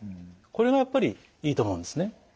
これがやっぱりいいと思うんですね。